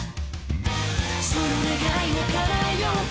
「その願いを叶えようか」